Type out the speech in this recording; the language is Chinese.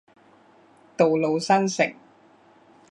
道路新城。